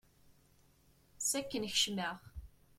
S akken kecmeɣ.